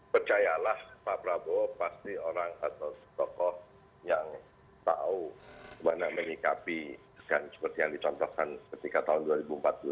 percayalah pak prabowo pasti orang atau tokoh yang tahu bagaimana menikapi seperti yang dicontohkan ketika tahun dua ribu empat belas pak sandi yaga uno pun